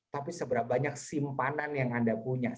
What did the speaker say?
tapi seberapa banyak simpanan yang anda punya